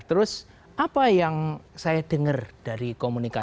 terus apa yang saya dengar dari komunikasi